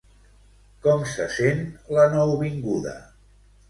Com se sent la nouvinguda?